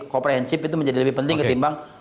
co operative itu menjadi lebih penting ketimbang